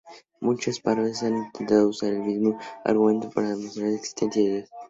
Muchas parodias han intentado usar el mismo argumento para demostrar la inexistencia de Dios.